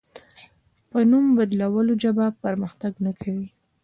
په نوم بدلولو ژبه پرمختګ نه کوي.